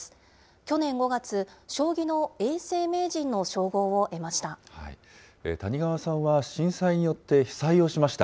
去年５月、将棋の永世名人の称号を得ました。